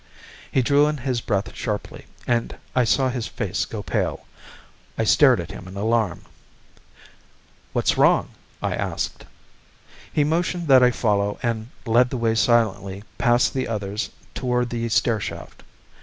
He drew in his breath sharply, and I saw his face go pale. I stared at him in alarm. "What's wrong?" I asked. He motioned that I follow and led the way silently past the others toward the stair shaft.